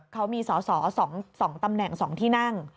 เขามีสอสอ๒ตำแหน่ง๒ที่นั่ง